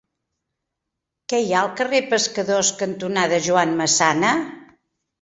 Què hi ha al carrer Pescadors cantonada Joan Massana?